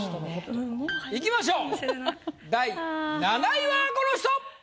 いきましょう第７位はこの人！